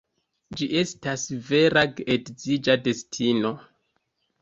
Ĝi estas vera geedziĝa destino.